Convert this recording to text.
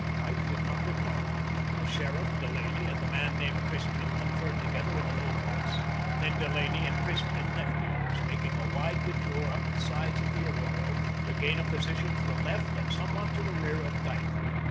Dyke did not reply. The sheriff, Delaney, and the man named Christian conferred together in a low voice. Then Delaney and Christian left the others, making a wide detour up the sides of the arroyo, to gain a position to the left and somewhat to the rear of Dyke.